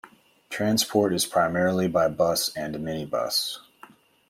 Transport is primarily by bus and minibus.